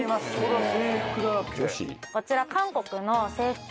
こちら。